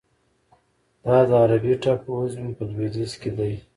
دا د عربي ټاپوزمې په لویدیځ کې دی.